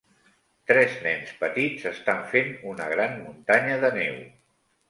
Tres nens petits estan fent una gran muntanya de neu.